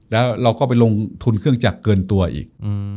แล้วเราก็ไปลงทุนเครื่องจักรเกินตัวอีก